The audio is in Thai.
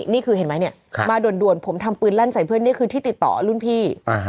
นี่คือเห็นไหมเนี่ยมาด่วนผมทำปืนลั่นใส่เพื่อนนี่คือที่ติดต่อรุ่นพี่